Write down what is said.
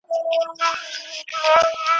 کرونا راغلې پر خلکو غم دی